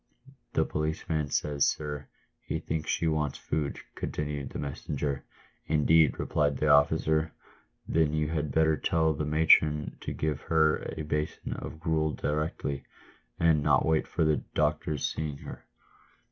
" The policeman says, sir, he thinks she wants food," continued the messenger. "Indeed," replied the officer; "then you had better tell the matron to give her a basin of gruel directly, and not wait for the doctor's seeing her."